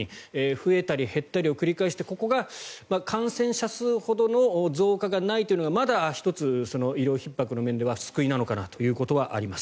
増えたり減ったりを繰り返してここが感染者数ほどの増加がないというのがまだ１つ医療ひっ迫の面では救いなのかなということはあります。